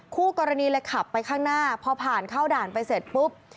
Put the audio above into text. คู่กรณีเลยขับไปข้างหน้าพอผ่านเข้าด่านไปเสร็จปุ๊บ